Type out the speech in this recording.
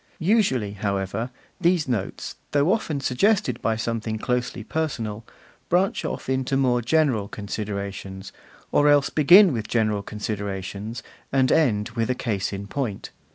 Usually, however, these notes, though often suggested by something closely personal, branch off into more general considerations; or else begin with general considerations, and end with a case in point.